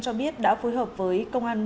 cho biết đã phối hợp với công an